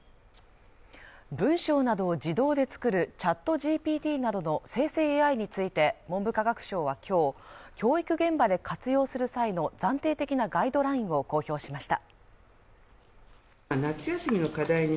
文章などを自動で作るＣｈａｔＧＰＴなどの生成ＡＩについて文部科学省は今日、教育現場で活用する際の暫定的なガイドラインを公表しました。